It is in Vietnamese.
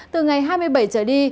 từ ngày hai mươi bảy trở đi